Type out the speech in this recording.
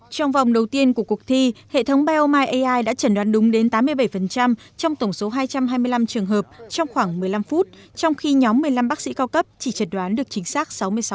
trong vòng đầu tiên của cuộc thi hệ thống biomi ai đã chẩn đoán đúng đến tám mươi bảy trong tổng số hai trăm hai mươi năm trường hợp trong khoảng một mươi năm phút trong khi nhóm một mươi năm bác sĩ cao cấp chỉ chẩn đoán được chính xác sáu mươi sáu